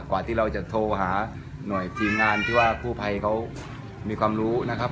กว่าที่เราจะโทรหาหน่วยทีมงานที่ว่ากู้ภัยเขามีความรู้นะครับ